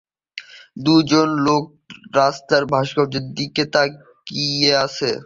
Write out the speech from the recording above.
দুজন লোক রাস্তার ভাস্কর্যের দিকে তাকিয়ে আছে।